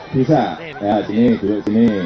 mana pinteraki mam dai